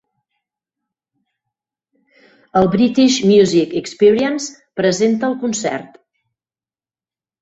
El British Music Experience presenta el concert.